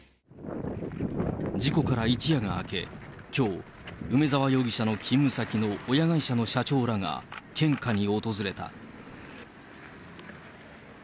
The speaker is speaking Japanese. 事故から一夜が明け、きょう、梅沢容疑者の勤務先の親会社の社長らが献花に訪れた。